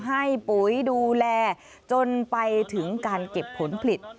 ปุ๋ยดูแลจนไปถึงการเก็บผลผลิต